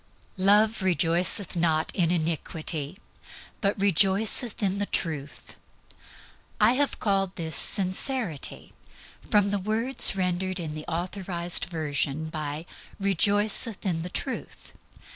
"Love rejoiceth not in unrighteousness, but rejoiceth with the truth." I have called this Sincerity from the words rendered in the Authorized Version by "rejoiceth in the truth."